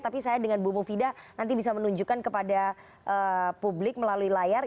tapi saya dengan bu mufida nanti bisa menunjukkan kepada publik melalui layar